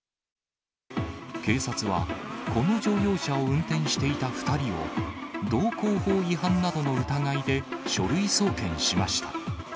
警察は、この乗用車を運転していた２人を、道交法違反などの疑いで書類送検しました。